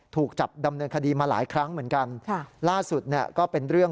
ถูกจับดำเนินคดีมาหลายครั้งเหมือนกัน